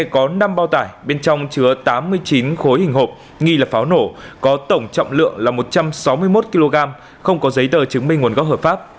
có năm bao tải bên trong chứa tám mươi chín khối hình hộp nghi là pháo nổ có tổng trọng lượng là một trăm sáu mươi một kg không có giấy tờ chứng minh nguồn gốc hợp pháp